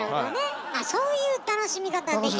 あそういう楽しみ方できるの？